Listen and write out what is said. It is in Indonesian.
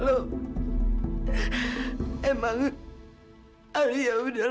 alia gak akan pernah menguasai keluarga om lagi